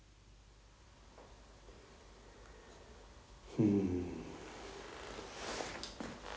うん。